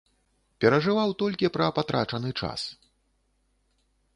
Перажываў толькі пра патрачаны час.